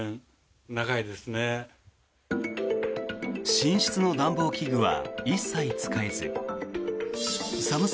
寝室の暖房器具は一切使えず寒さ